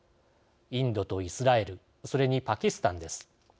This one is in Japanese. インドとイスラエルそれにパキスタンです。